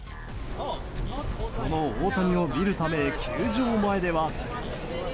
その大谷を見るため球場前では。